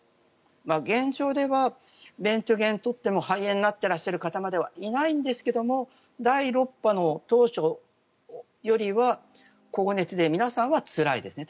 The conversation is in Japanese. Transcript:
現状ではレントゲンを撮っても肺炎になってらっしゃる方まではいないんですけども第６波の当初よりは高熱で皆さんはつらいですね。